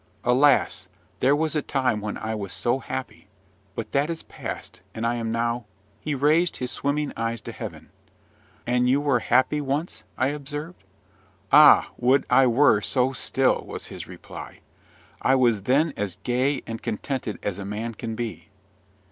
Alas! there was a time when I was so happy; but that is past, and I am now " He raised his swimming eyes to heaven. "And you were happy once?" I observed. "Ah, would I were so still!" was his reply. "I was then as gay and contented as a man can be."